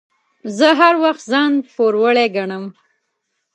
زه هر وخت ځان پوروړی ګڼم.